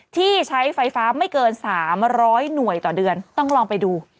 ที่ใช้ไฟฟ้าไม่เกิน๓๐๐หน่วยต่อเดือนต้องลองไปดู